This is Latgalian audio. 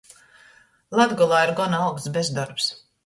Latgolā ir gona augsts bezdorbs.